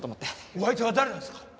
お相手は誰なんですか？